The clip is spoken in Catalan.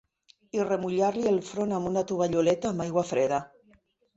I remullar-li el front amb una tovalloleta amb aigua freda.